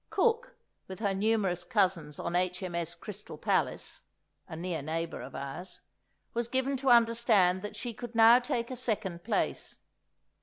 Cook, with her numerous cousins on H.M.S. "Crystal Palace" (a near neighbour of ours), was given to understand that she could now take a second place!